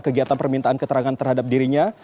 kegiatan permintaan keterangan terhadap dirinya